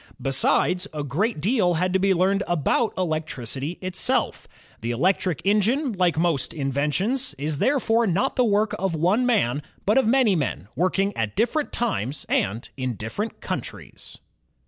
Besides, a great deal had to be learned about electricity itself. The electric engine, like most inventions, is therefore not the work of one man, but of many men working at different times and in diflEerent countries.